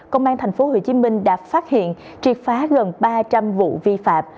công an tp hcm đã phát hiện triệt phá gần ba trăm linh vụ vi phạm